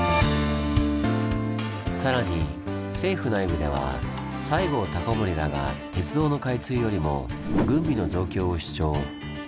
さらに政府内部では西郷隆盛らが鉄道の開通よりも軍備の増強を主張。